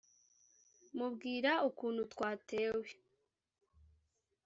mubwira ukuntu twatewe